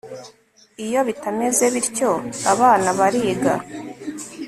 iyo bitameze bityo abana bariga